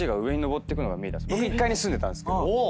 僕１階に住んでたんですけど。